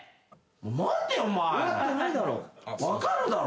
分かるだろ？